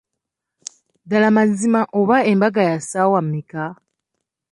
Ddala mazima oba embaga ya ssaawa mmeka?